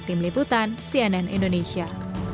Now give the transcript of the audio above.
namun masih bisa dilawati kendaraan roda empat